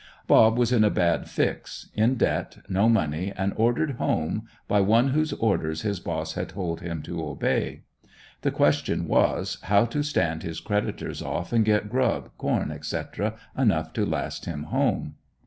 "Bob" was in a bad fix, in debt, no money and ordered home, by one whose orders his boss had told him to obey. The question was, how to stand his creditors off and get grub, corn, etc. enough to last him home.